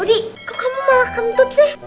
odi kok kamu malah kentut sih